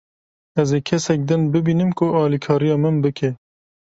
Ez ê kesek din bibînim ku alîkariya min bike.